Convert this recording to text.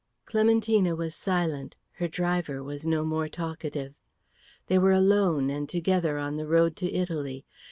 Clementina was silent; her driver was no more talkative. They were alone and together on the road to Italy.